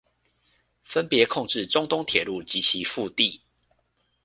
分別控制中東鐵路及其腹地